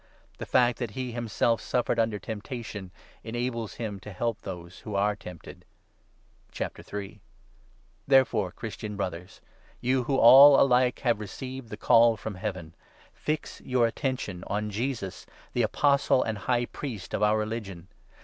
The fact that he himself suffered under temptation enables 18 him to help those who are tempted. Therefore, Christian Brothers, you who, all i 3 superiority alike, have received the Call from Heaven, fix to MO.OS and your attention on Jesus, the Apostle and High Joshua. Priest of our Religion.